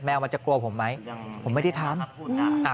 มันจะกลัวผมไหมผมไม่ได้ทำ